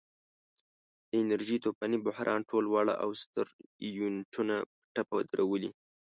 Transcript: د انرژۍ طوفاني بحران ټول واړه او ستر یونټونه په ټپه درولي.